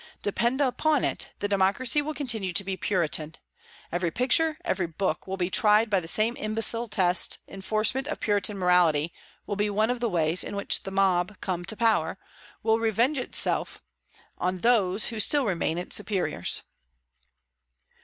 Depend upon it, the democracy will continue to be Puritan. Every picture, every book, will be tried by the same imbecile test. Enforcement of Puritan morality will be one of the ways in which the mob, come to power, will revenge itself on those who still remain its superiors."